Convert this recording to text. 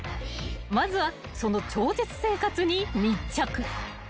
［まずはその超絶生活に密着］